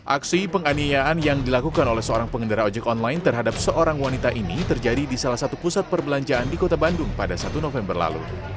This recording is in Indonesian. aksi penganiayaan yang dilakukan oleh seorang pengendara ojek online terhadap seorang wanita ini terjadi di salah satu pusat perbelanjaan di kota bandung pada satu november lalu